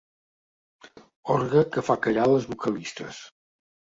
Orgue que fa callar les vocalistes.